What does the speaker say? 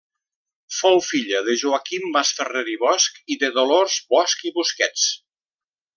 Fou filla de Joaquim Masferrer i Bosch i de Dolors Bosch i Busquets.